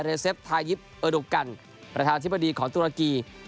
เซฟทายิปเออร์ดูกันประธานธิบดีของตุรกี